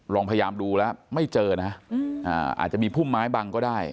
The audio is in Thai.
ลองพยายามดูแล้วไม่เจอนะอาจจะมีพุ่มไม้บังก็ได้